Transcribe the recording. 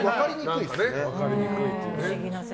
分かりにくいという。